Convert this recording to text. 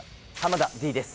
田Ｄです